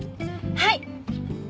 はい。